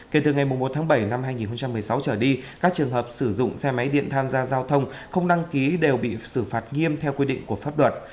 kể từ ngày một tháng bảy năm hai nghìn một mươi sáu trở đi các trường hợp sử dụng xe máy điện tham gia giao thông không đăng ký đều bị xử phạt nghiêm theo quy định của pháp luật